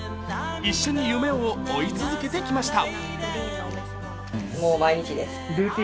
一緒に夢を追い続けてきました。